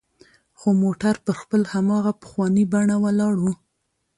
خو موټر پر خپل هماغه پخواني بڼه ولاړ و.